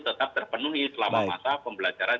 tetap terpenuhi selama masa pembelajaran